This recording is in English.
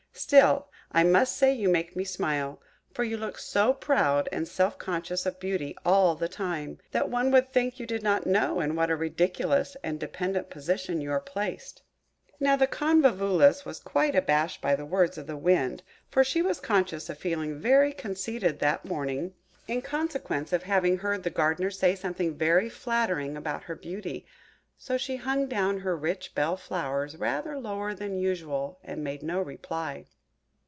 Still I must say you make me smile; for you look so proud and self conscious of beauty all the time, that one would think you did not know in what a ridiculous and dependent position you are placed." Now the Convolvulus was quite abashed by the words of the Wind, for she was conscious of feeling very conceited that morning, in consequence of having heard the Gardener say something very flattering about her beauty; so she hung down her rich bell flowers rather lower than usual, and made no reply.